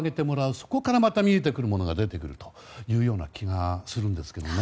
そこからまた見えてくるものが出てくる気がするんですよね。